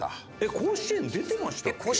甲子園出てました？